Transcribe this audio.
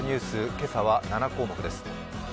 今朝は７項目です。